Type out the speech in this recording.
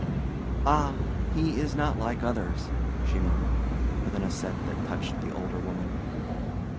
"Ah, he is not others," she murmured, with an accent that touched the older woman.